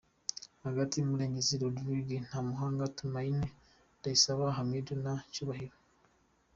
Hagati:Murengezi rodirige, Ntamuhanga Tumene, Ndayisaba Hamidu na Cyubahiro.